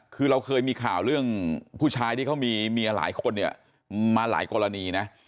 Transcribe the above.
คือเราเคยมีข่าวเรื่องผู้ชายที่เขามีเมียหลายคนเนี่ยมาหลายกรณีนะ